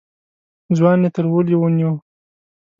ځوان يې تر وليو ونيو.